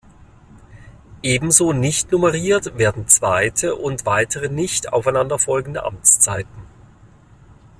Ebenso nicht nummeriert werden zweite und weitere nicht aufeinander folgende Amtszeiten.